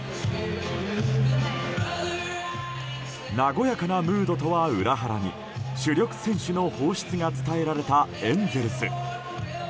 和やかなムードとは裏腹に主力選手の放出が伝えられたエンゼルス。